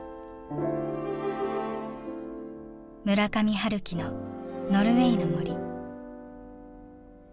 村上春樹の「ノルウェイの森」。